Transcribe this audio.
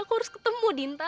aku harus ketemu dinta